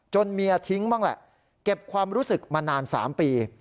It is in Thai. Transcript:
เมียทิ้งบ้างแหละเก็บความรู้สึกมานาน๓ปี